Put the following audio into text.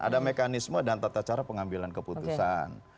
ada mekanisme dan tata cara pengambilan keputusan